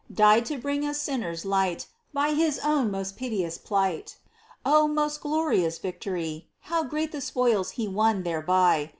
Died to bring us sinners light By His own most piteous plight ! Oh most glorious victory ! How great the spoils He won thereby